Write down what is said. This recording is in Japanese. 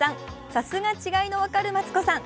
さすが違いの分かるマツコさん。